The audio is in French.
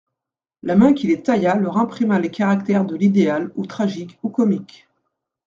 La main qui les tailla leur imprima les caractères de l'idéal ou tragique ou comique.